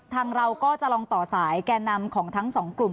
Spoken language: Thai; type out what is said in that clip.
เราก็จะลองต่อสายแก่นำของทั้งสองกลุ่ม